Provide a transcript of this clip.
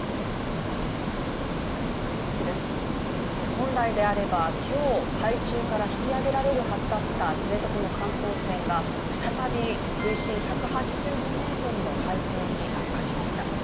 本来であれば、今日、海中から引き揚げられるはずだった知床の観光船が再び水深１８２ｍの海底に落下しました。